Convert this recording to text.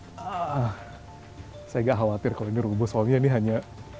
saya tidak khawatir kalau ini rubus soalnya ini hanya